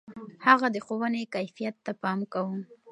هغه د ښوونې کيفيت ته پام کاوه.